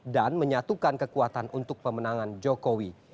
dan menyatukan kekuatan untuk pemenangan jokowi